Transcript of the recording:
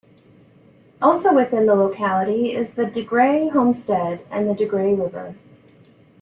Also within the locality is the De Grey homestead, and the De Grey River.